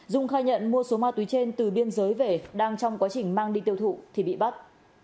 dung khai nhận mua số ma túy trên từ biên giới về đang trong quá trình mang đi tiêu thụ thì bị bắt